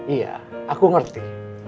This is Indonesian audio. iya aku ngerti